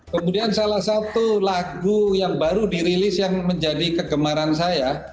kemudian salah satu lagu yang baru dirilis yang menjadi kegemaran saya